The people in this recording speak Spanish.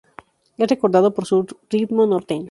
Es recordado por su ritmo norteño.